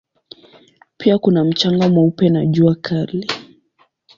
Pia kuna mchanga mweupe na jua kali.